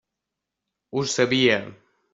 Ho sabia!